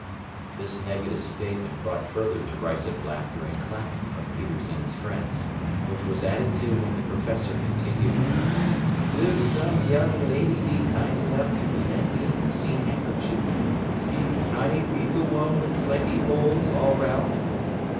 This negative statement brought further derisive laughter and clapping from Peters and his friends, which was added to when the professor continued, "Will some young lady be kind enough to lend me ze handkerchief ze tiny leetle one with plenty holes all round?"